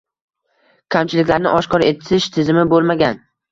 Kamchiliklarini oshkor etish tizimi bo‘lmagan